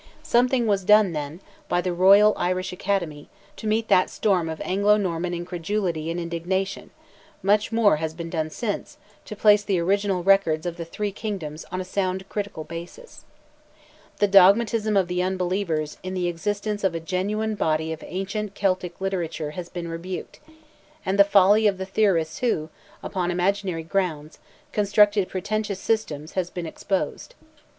Something was done then, by the Royal Irish Academy, to meet that storm of Anglo Norman incredulity and indignation; much more has been done since, to place the original records of the Three Kingdoms on a sound critical basis. The dogmatism of the unbelievers in the existence of a genuine body of ancient Celtic literature has been rebuked; and the folly of the theorists who, upon imaginary grounds, constructed pretentious systems, has been exposed.